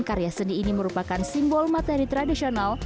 karya seni ini merupakan simbol materi tradisional